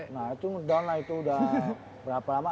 nah itu ngedown lah itu udah berapa lama